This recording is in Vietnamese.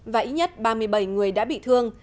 và ít nhất ba mươi bảy người đã bị thương